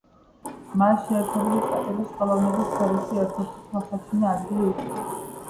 მას შეერთებული შტატების ხელოვნების სფეროში ერთერთი თვალსაჩინო ადგილი უჭირავს.